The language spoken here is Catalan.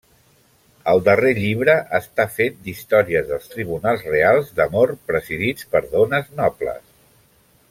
El darrer llibre està fet d'històries dels tribunals reals d'amor presidits per dones nobles.